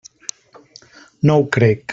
No ho crec.